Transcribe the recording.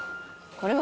これ。